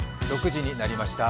６時になりました。